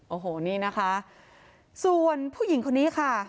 โอ้โหนี่นะคะส่วนผู้หญิงคนนี้ค่ะ